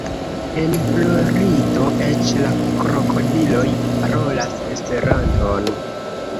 En Florido eĉ la krokodiloj parolas Esperanton!